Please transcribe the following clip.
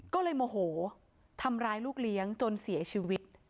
ก็เลยโมโหทำร้ายลูกเลี้ยงจนเสียชีวิต